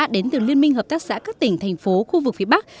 đến từ liên minh hợp tác xã các tỉnh thành phố khu vực phía bắc